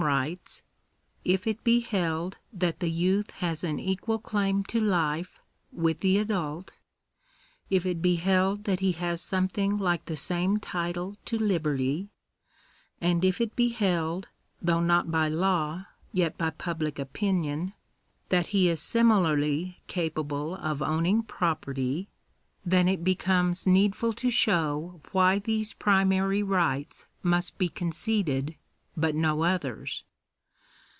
^ rights ; if it be held that the youth has an equal claim to life with the adult ; if it be held that he has something like the same title to liberty ; and if it be held (though not by law, yet by public opinion) that he is similarly capable of owning pro* perty, then it becomes needful to show why these primary rights must be conceded, but no others.